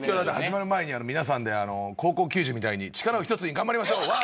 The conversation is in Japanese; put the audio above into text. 始まる前に、皆さんで高校球児みたいに力を一つに頑張りましょう。